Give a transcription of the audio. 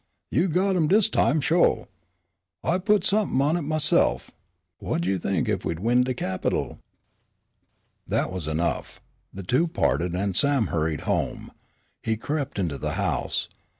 You got 'em dis time sho'. I'll put somep'n' on it myse'f. Wha'd you think ef we'd win de 'capital'?" That was enough. The two parted and Sam hurried home. He crept into the house.